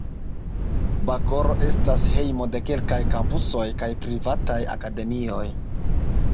Bakoro esta hejmo de kelkaj kampusoj kaj privataj akademioj.